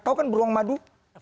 tahu kan beruang madu